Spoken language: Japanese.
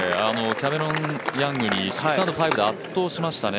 キャメロン・ヤングに圧倒しましたね。